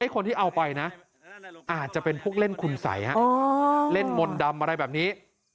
คนที่เอาไปนะอาจจะเป็นพวกเล่นคุณสัยเล่นมนต์ดำอะไรแบบนี้